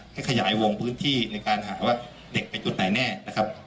ขยายวงพื้นที่ในการหาว่าเด็กไปจุดไหนแน่นะครับ